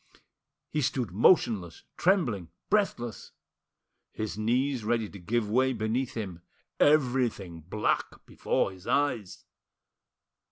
He stood motionless, trembling, breathless; his knees ready to give way beneath him; everything black before his eyes.